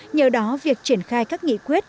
nhờ đó việc triển khai các nghị quyết